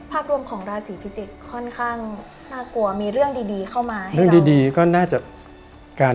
ภาครวมของราศีพี่จิกร์